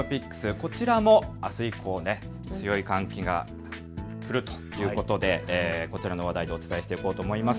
こちらもあす以降、強い寒気が来るということでこちらの話題をお伝えしていこうと思います。